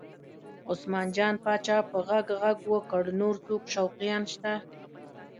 عثمان جان پاچا په غږ غږ وکړ نور څوک شوقیان شته؟